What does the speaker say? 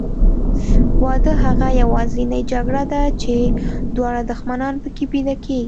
واده هغه یوازینۍ جګړه ده چې دواړه دښمنان پکې بیده کېږي.